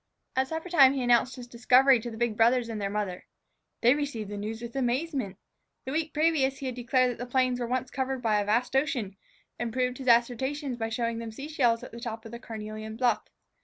At suppertime he announced his discovery to the big brothers and their mother. They received the news with amazement. The week previous he had declared that the plains were once covered by a vast ocean, and had proved his assertion by showing them sea shells at the top of the carnelian bluff.